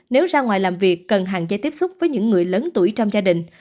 nếu ra ngoài làm việc cần hạn chế tiếp xúc với những người lớn tuổi trong gia đình